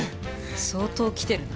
相当きてるな。